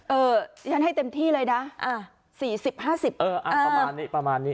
เออฉันให้เต็มที่เลยนะอ่ะ๔๐๕๐เอออ่ะประมาณนี้ประมาณนี้